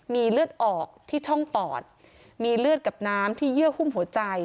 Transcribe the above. มีเลือดออกที่ช่องปอดมีเลือดกับน้ำที่เยื่อหุ้มหัวใจ